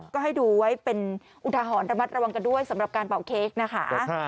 ก็ให้ดูไว้เป็นอุทหรณ์ระมัดระวังกันด้วยสำหรับการเป่าเค้กนะคะ